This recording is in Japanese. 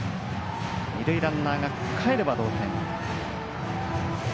二塁ランナーがかえれば同点。